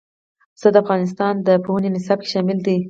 پسه د افغانستان د پوهنې نصاب کې شامل دي.